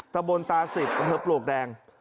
แต่บนตาสิบเธอปลูกแดง